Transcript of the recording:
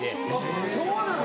そうなの？